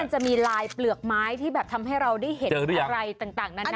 มันจะมีลายเปลือกไม้ที่แบบทำให้เราได้เห็นอะไรต่างนานา